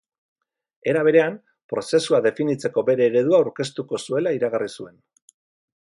Era berean, prozesua definitzeko bere eredua aurkeztuko zuela iragarri zuen.